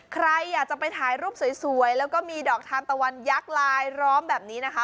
ใครอยากจะไปถ่ายรูปสวยแล้วก็มีดอกทานตะวันยักษ์ลายล้อมแบบนี้นะคะ